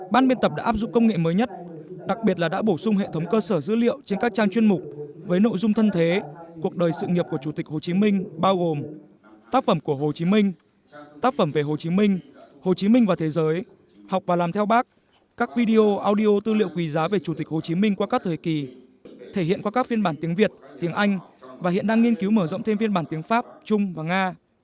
bản biên tập đã áp dụng công nghệ mới nhất đặc biệt là đã bổ sung hệ thống cơ sở dữ liệu trên các trang chuyên mục với nội dung thân thế cuộc đời sự nghiệp của chủ tịch hồ chí minh bao gồm tác phẩm của hồ chí minh tác phẩm về hồ chí minh hồ chí minh và thế giới học và làm theo bác các video audio tư liệu quỳ giá về chủ tịch hồ chí minh qua các thời kỳ thể hiện qua các phiên bản tiếng việt tiếng anh và hiện đang nghiên cứu mở rộng thêm phiên bản tiếng pháp trung và nga